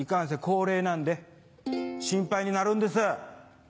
高齢なんで心配になるんです。